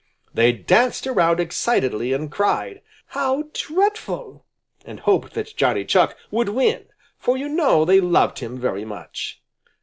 They danced around excitedly and cried: "How dreadful!" and hoped that Johnny Chuck would win, for you know they loved him very much.